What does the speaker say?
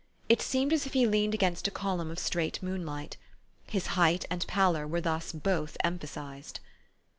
It seemed as if he leaned against a column of straight moonlight. His height and pallor were thus both emphasized.